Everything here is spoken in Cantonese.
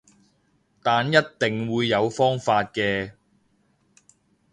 但一定會有方法嘅